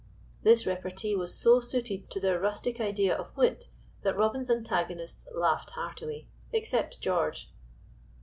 This repartee was so suited to their rustic idea of wit, that Robinson's antagonists laughed heartily, except George.